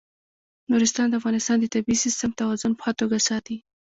نورستان د افغانستان د طبعي سیسټم توازن په ښه توګه ساتي.